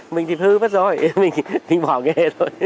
mình thì hư vất rồi mình bỏ nghề thôi